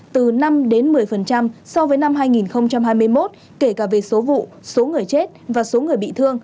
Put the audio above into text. từ năm đến một mươi so với năm hai nghìn hai mươi một kể cả về số vụ số người chết và số người bị thương